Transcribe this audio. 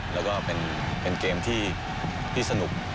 แล้วก็เป็นเกมที่สนุก